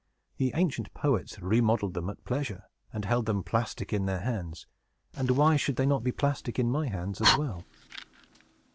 The ancient poets remodeled them at pleasure, and held them plastic in their hands; and why should they not be plastic in my hands as well?"